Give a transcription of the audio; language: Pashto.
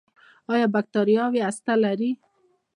ایا بکتریاوې هسته لري؟